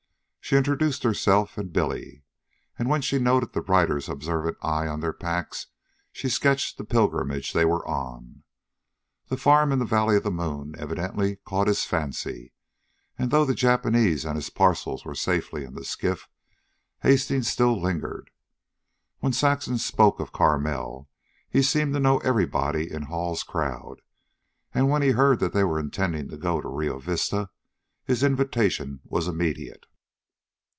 Saxon introduced herself and Billy, and, when she noted the writer's observant eye on their packs, she sketched the pilgrimage they were on. The farm in the valley of the moon evidently caught his fancy, and, though the Japanese and his parcels were safely in the skiff, Hastings still lingered. When Saxon spoke of Carmel, he seemed to know everybody in Hall's crowd, and when he heard they were intending to go to Rio Vista, his invitation was immediate.